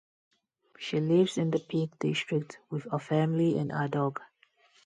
She lives in the Peak District with her family and her dog.